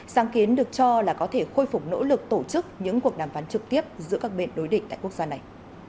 sáng kiến được cho là có thể khôi phục nỗ lực tổ chức những cuộc đàm phán trực tiếp giữa các bên đối định tại quốc gia này